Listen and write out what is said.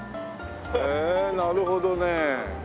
へえなるほどね。